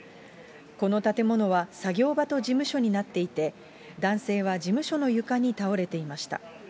この建物は作業場と事務所になっていて、男性は事務所の床に倒れていました。